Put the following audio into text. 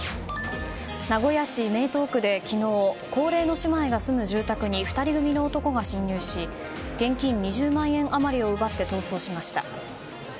名古屋市名東区で昨日高齢の姉妹が住む住宅に２人組の男が侵入し現金２０万円余りを奪って逃走しました。